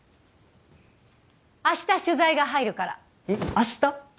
明日取材が入るからえっ明日？